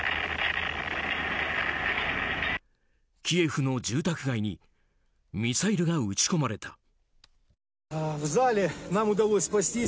キエフの住宅街にミサイルが撃ち込まれた。